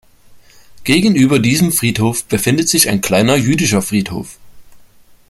Gegenüber diesem Friedhof befindet sich ein kleiner Jüdischer Friedhof.